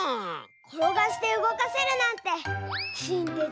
ころがしてうごかせるなんてしんって